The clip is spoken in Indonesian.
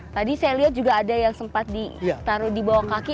tadi saya lihat juga ada yang sempat ditaruh di bawah kaki